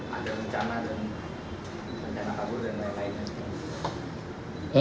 apakah sudah ada keterangan keterangan